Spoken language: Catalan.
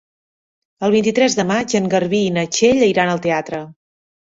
El vint-i-tres de maig en Garbí i na Txell iran al teatre.